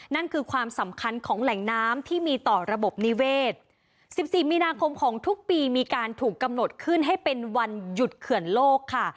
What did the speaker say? นั่นคือความสำคัญของแหล่งน้ำที่มีต่อระบบนิเวศ๑๔มีนาคมของทุกปีมีการถูกกำหนดขึ้นให้เป็นวันหยุดเขื่อนโลกค่ะ